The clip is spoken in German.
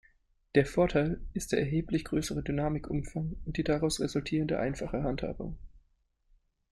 Der Vorteil ist der erheblich größere Dynamikumfang und die daraus resultierende einfache Handhabung.